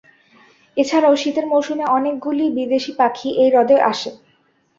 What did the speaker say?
এছাড়াও শীতের মৌসুমে অনেকগুলি বিদেশী পাখি এই হ্রদে আসে।